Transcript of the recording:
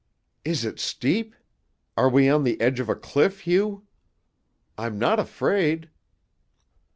"Is it steep? Are we on the edge of a cliff, Hugh? I'm not afraid!"